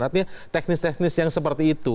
artinya teknis teknis yang seperti itu